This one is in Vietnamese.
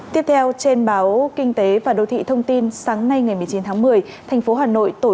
tiếp theo trên báo kinh tế và đô thị thông tin sáng nay ngày một mươi chín tháng một mươi thành phố hà nội tổ